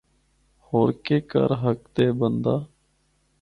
ہور کے کر ہکدے بندہ۔